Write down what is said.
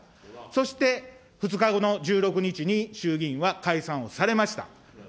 そして２日後の１６日に衆議院は解散をされました。